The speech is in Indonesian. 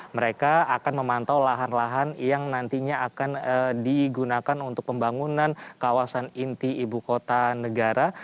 mereka akan memantau lahan lahan yang nantinya akan digunakan untuk pembangunan kawasan inti ibu kota negara